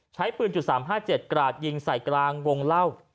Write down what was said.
ใช้ปืน๓๕๗กราดยิงใส่กลางวงเล่า